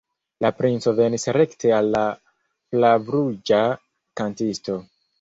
La princo venis rekte al la flavruĝa kantisto.